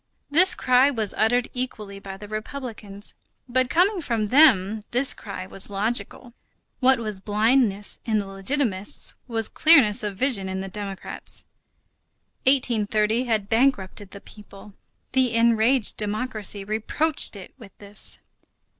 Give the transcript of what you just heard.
This cry was uttered equally by the republicans. But coming from them, this cry was logical. What was blindness in the legitimists was clearness of vision in the democrats. 1830 had bankrupted the people. The enraged democracy reproached it with this.